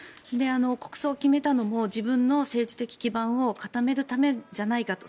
国葬を決めたのも自分の政治的基盤を固めるためじゃないかと。